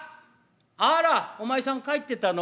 あらお前さん帰ってたの？